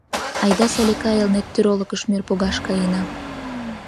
Айда, Салика, Элнеттӱр олыкыш мӧр погаш каена?